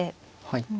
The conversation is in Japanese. はい。